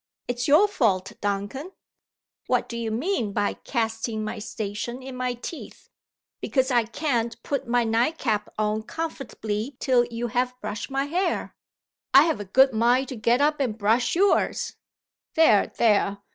It's your fault, Duncan. What do you mean by casting my station in my teeth, because I can't put my night cap on comfortably till you have brushed my hair? I have a good mind to get up and brush yours. There! there!